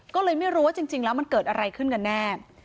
ก็เลยไม่รู้ว่าจริงแล้วมันเกิดอะไรขึ้นกันแน่